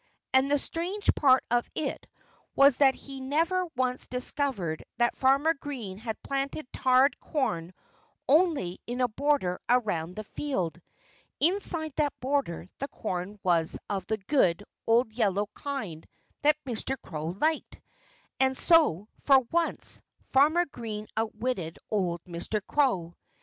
And the strange part of it was that he never once discovered that Farmer Green had planted tarred corn only in a border around the field. Inside that border the corn was of the good, old yellow kind that Mr. Crow liked. And so, for once, Farmer Green out witted old Mr. Crow.